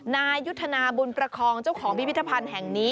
นายยุทธนาบุญประคองเจ้าของพิพิธภัณฑ์แห่งนี้